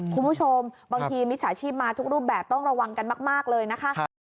คุณผู้ชมบางทีมิจฉาชีพมาทุกรูปแบบต้องระวังกันมากเลยนะคะ